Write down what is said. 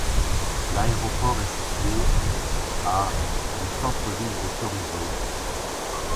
L'aéroport est situé à du centre-ville de Sorriso.